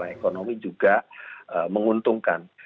dan ekonomi juga menguntungkan